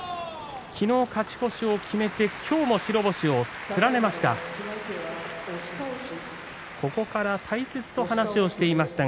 昨日勝ち越しを決めて今日も白星を連ねました。